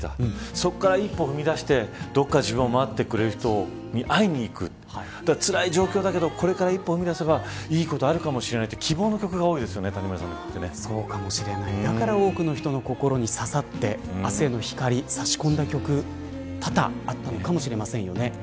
そこから一歩を踏み出して自分を待ってくれている人に会いに行くつらい状況だけどこれから一歩踏み出せばいいことがあるかもしれないだからこそ多くの人に刺さって明日への光が差し込んだ曲が多々あったのかもしれません。